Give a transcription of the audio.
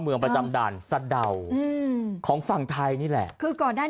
เมืองประจำด่านสะเดาอืมของฝั่งไทยนี่แหละคือก่อนด้าน